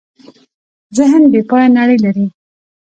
ذهن بېپایه نړۍ لري.